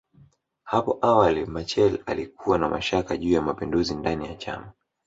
Hapo awali Machel alikuwa na mashaka juu ya mapinduzi ndani ya chama